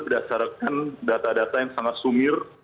berdasarkan data data yang sangat sumir